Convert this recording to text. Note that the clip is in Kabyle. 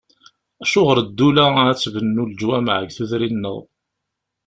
Acuɣer ddula ad tbennu leǧwameɛ deg tudrin-nneɣ?